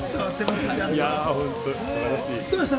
どうでした？